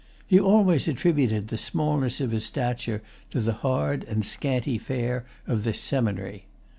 He always attributed the smallness of his stature to the hard and scanty fare of this seminary.